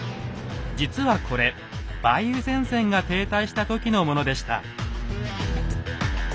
実はこれ梅雨前線が停滞した時のものでした。